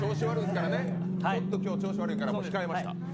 今日、ちょっと調子悪いから控えました。